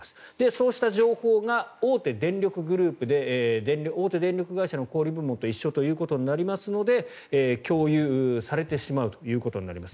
そうした情報がグループで大手電力会社の小売り部門と一緒ということになりますので共有されてしまうことになります。